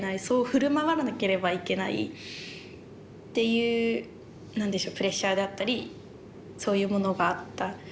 そう振る舞わなければいけないっていう何でしょうプレッシャーであったりそういうものがあった。